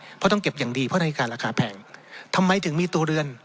เพราะต้องเก็บอย่างดีเพราะนาฬิการาคาแพงทำไมถึงมีตัวเรือน